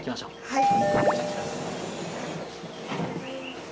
はい。